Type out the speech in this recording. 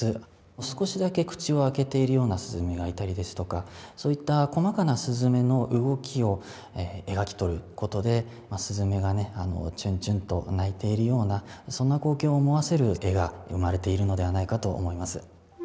少しだけ口を開けているようなすずめがいたりですとかそういった細かなすずめの動きを描き取ることでまあすずめがねチュンチュンと鳴いているようなそんな光景を思わせる絵が生まれているのではないかと思います。